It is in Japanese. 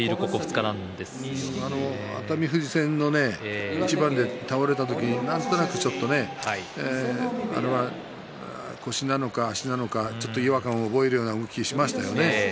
熱海富士戦の一番で倒れた時に腰なのか足のか違和感を覚えるような動きをしていましたね。